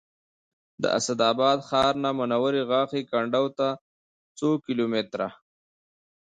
د اسداباد ښار نه منورې غاښي کنډو ته څو کیلو متره